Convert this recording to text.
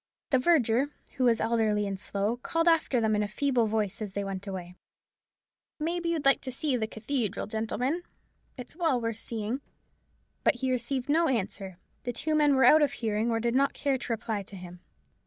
The verger, who was elderly and slow, called after them in a feeble voice as they went away: "Maybe you'd like to see the cathedral, gentlemen; it's well worth seeing." But he received no answer. The two men were out of hearing, or did not care to reply to him.